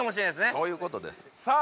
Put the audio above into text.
そういうことですさあ